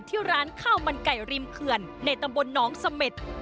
ที่ร้านข้าวมันไก่ริมเขื่อนในตำบลน้องเสม็ด